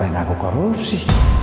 apa yang aku korupsi